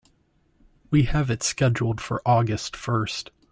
We have it scheduled for August first.